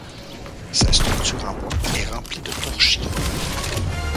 Sa structure en bois est remplie de torchis.